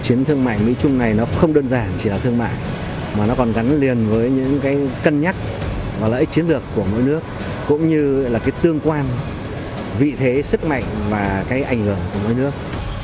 chiến thương mại mỹ trung này nó không đơn giản chỉ là thương mại mà nó còn gắn liền với những cái cân nhắc và lợi ích chiến lược của mỗi nước cũng như là cái tương quan vị thế sức mạnh và cái ảnh hưởng của mỗi nước